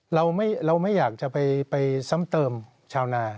เราไม่อยากจะไปซ้ำเติมชาวนา